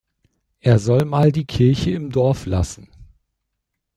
Er soll mal die Kirche im Dorf lassen.